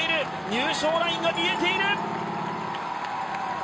入賞ラインが見えている！